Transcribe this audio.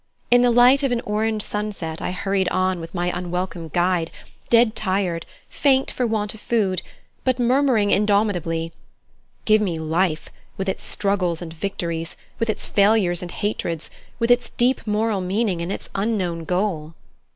In the light of an orange sunset I hurried on with my unwelcome guide, dead tired, faint for want of food, but murmuring indomitably: "Give me life, with its struggles and victories, with its failures and hatreds, with its deep moral meaning and its unknown goal!"